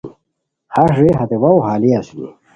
ہݰ رے ہتے واوؤ ہالئے اسونی